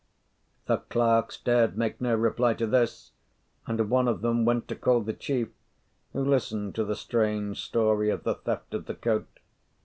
The clerks dared make no reply to this, and one of them went to call the chief, who listened to the strange story of the theft of the coat.